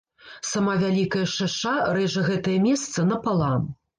Сама вялікая шаша рэжа гэтае месца напалам.